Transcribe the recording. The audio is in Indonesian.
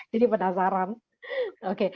jadi penasaran oke